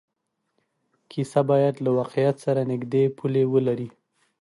کیسه باید له واقعیت سره نږدې پولې ولري.